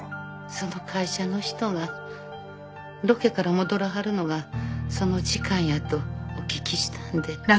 その会社の人がロケから戻らはるのがその時間やとお聞きしたんで。